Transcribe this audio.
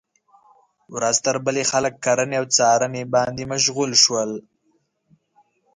ورځ تر بلې خلک کرنې او څارنې باندې مشغول شول.